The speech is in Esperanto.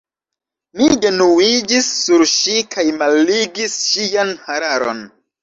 Mi genuiĝis sur ŝi kaj malligis ŝian hararon.